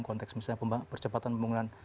konteks misalnya percepatan pembangunan